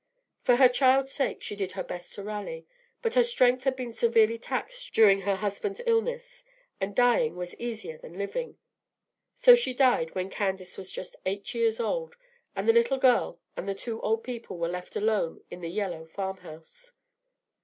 For her child's sake she did her best to rally; but her strength had been severely taxed during her husband's illness, and dying was easier than living; so she died when Candace was just eight years old, and the little girl and the two old people were left alone in the yellow farm house.